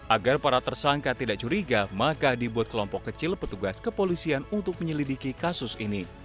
agar para tersangka tidak curiga maka dibuat kelompok kecil petugas kepolisian untuk menyelidiki kasus ini